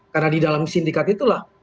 karena di dalam sindikat itulah